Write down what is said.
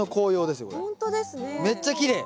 めっちゃきれい！